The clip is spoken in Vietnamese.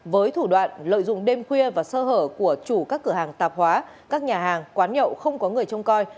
với thủ đoạn lợi dụng đêm khuya và sơ hở của chủ các cửa hàng tạp hóa các nhà hàng quán nhậu không có người trông coi